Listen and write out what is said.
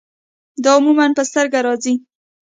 دا عموماً پۀ سترګه راځي